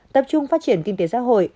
tập trung phát triển kinh tế xã hội